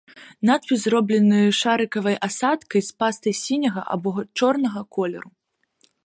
Надпіс зроблены шарыкавай асадкай з пастай сіняга або чорнага колеру.